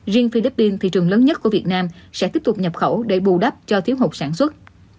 riêng philippines thị trường lớn nhất của việt nam sẽ tiếp tục nhập khẩu để bù đắp cho thiếu hụt sản xuất